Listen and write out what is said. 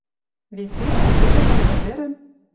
Веселӓ, седӹндон ӹдӹрӹм